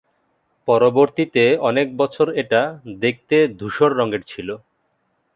পরবর্তীতে অনেক বছর এটা দেখতে ধূসর রঙের ছিল।